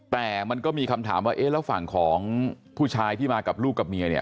แต่มันก็มีคำถามว่าเอ๊ะแล้วฝั่งของผู้ชายที่มากับลูกกับเมียเนี่ย